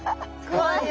怖い。